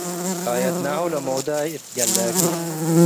ካየድናሁ ለሞዳይ እት ጀላኪ